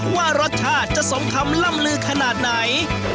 ว่ารสชาติจะสมคำล่ำลือขนาดไหน